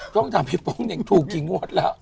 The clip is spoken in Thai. ต้องถามให้โป๊งว่าถูกกี่โงตแล้ว